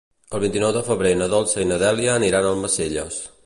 El vint-i-nou de febrer na Dolça i na Dèlia aniran a Almacelles.